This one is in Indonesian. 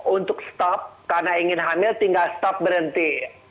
untuk stop karena ingin hamil tinggal stop berhenti